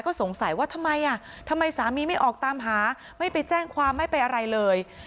ก็สงสัยว่าทำไมอ่ะทำไมสามีไม่ออกตามหาไม่ไปแจ้งความไม่ไปอะไรเลย